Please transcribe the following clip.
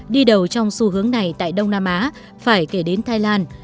đi đầu trong xu hướng này tại đông nam á phải kể đến thái lan